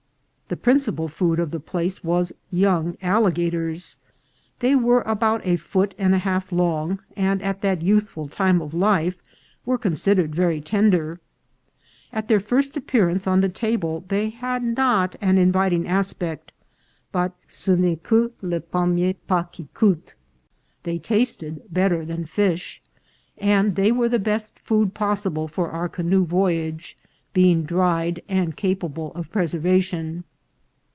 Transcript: The principal food of the place was young alligators. They were about a foot and a half long, and at that youthful time of life were con sidered very tender. At their first appearance on the table they had not an inviting aspect, but ce n'est que le ANOTHER FUNERAL. 371 premier pas qui coute, they tasted better than the fish, and they were the best food possible for our canoe voy age, being dried and capableupf preservation.